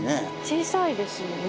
小さいですよね。